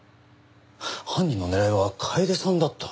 犯人の狙いは楓さんだった？